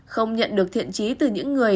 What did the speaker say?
không nhận được thiện trí từ những người